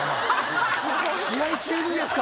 試合中にですか？